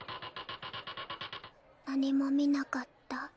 何も見なかった？